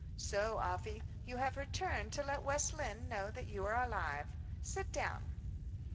"So, Afy, you have returned to let West Lynne know that you are alive. Sit down."